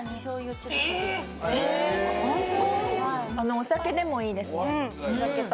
お酒でもいいですねお酒と。